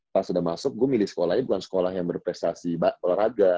pas sudah masuk gue milih sekolahnya bukan sekolah yang berprestasi olahraga